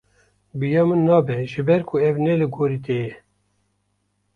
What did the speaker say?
Bi ya min nabe ji ber ku ev ne li gorî te ye.